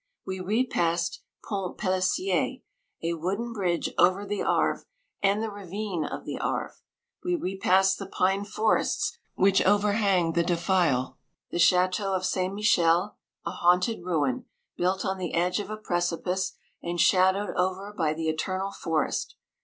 We repassed 169 Pont Pellisier, a wooden bridge over the Arve, and the ravine of the Arve. We repassed the pine forests which overhang the defile, the chateau of St. Michel, a haunted ruin, built on the edge of a precipice, and shadowed over by the eternal forest.